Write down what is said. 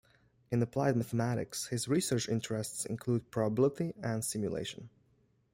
In applied mathematics his research interests include probability and simulation.